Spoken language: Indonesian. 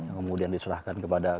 kemudian diserahkan kepada